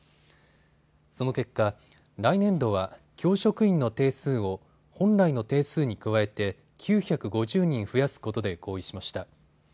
その結果、来年度は教職員の定数を本来の定数に加えて９５０人増やすことで合意しました。